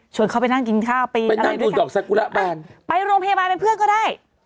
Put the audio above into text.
เข้าไปนั่งกินข้าวไปนั่งดูดอกสกุระบ้านไปโรงพยาบาลเป็นเพื่อนก็ได้